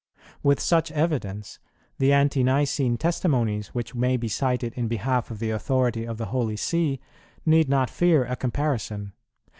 With such evidence, the Ante nicene testimonies which may be cited in behalf of the authority of the Holy See, need not fear a comparison.